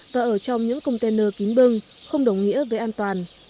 và ở trong những container kín bưng không đồng nghĩa với an toàn